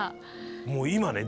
もう今ね